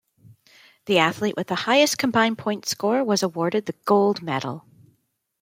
The athlete with the highest combined points score was awarded the gold medal.